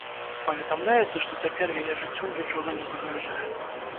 Паведамляецца, што цяпер яе жыццю нічога не пагражае.